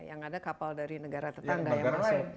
yang ada kapal dari negara tetangga yang masuk